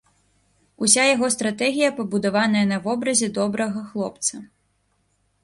Уся яго стратэгія пабудаваная на вобразе добрага хлопца.